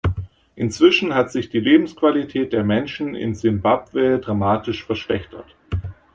Inzwischen hat sich die Lebensqualität der Menschen in Simbabwe dramatisch verschlechtert.